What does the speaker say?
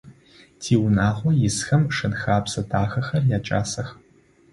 Тиунагъо исхэм шэн-хэбзэ дахэхэр якӀасэх.